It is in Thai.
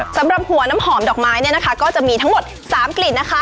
สำหรับหัวน้ำหอมดอกไม้เนี่ยนะคะก็จะมีทั้งหมด๓กลิ่นนะคะ